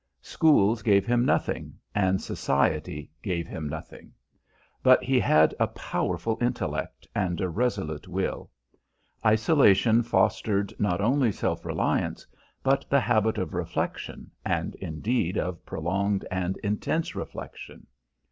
Schools gave him nothing, and society gave him nothing. But he had a powerful intellect and a resolute will. Isolation fostered not only self reliance but the habit of reflection, and, indeed, of prolonged and intense reflection.